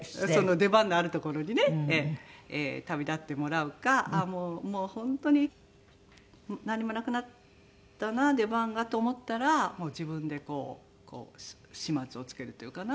出番のあるところにね旅立ってもらうかもう本当になんにもなくなったな出番がと思ったらもう自分でこう始末を付けるというかな？